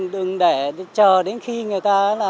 đừng để chờ đến khi người ta